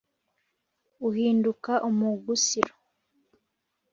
Uhinduka umugusiro.